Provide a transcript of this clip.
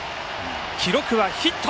記録はヒット！